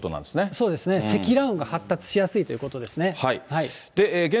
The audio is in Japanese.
そうですね、積乱雲が発達しやすいということですね。